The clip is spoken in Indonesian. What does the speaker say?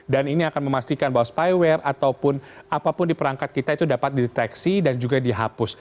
dan ini akan memastikan bahwa spyware ataupun apapun di perangkat kita itu dapat dideteksi dan juga dihapus